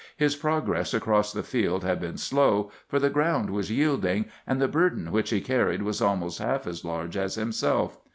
His progress across the field had been slow, for the ground was yielding, and the burden which he carried was almost half as large as himself.